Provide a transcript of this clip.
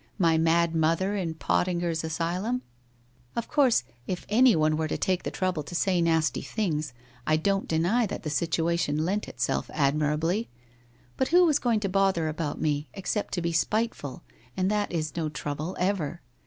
My mad mother, in Pottinger's Asylum? Of course, if anyone were to take the trouble to say nasty things, I don't deny that the situation lent itself admirably, but who was going to bother about me, except to be spiteful, and that is no trouble, ever.